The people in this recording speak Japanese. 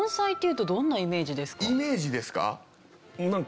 イメージですか？